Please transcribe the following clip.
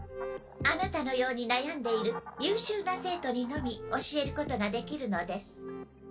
アナタのように悩んでいる優秀な生徒にのみ教えることができるのです。